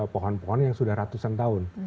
pohon pohon yang sudah ratusan tahun